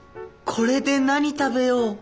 これで何食べよう。